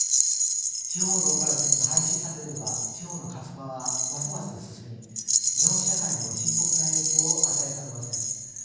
地方ローカル線が廃止されれば地方の過疎化はますます進み日本社会にも深刻な影響を与えかねません。